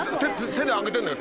手で上げてんのよ。